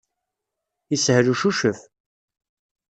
Yeshel ucucef.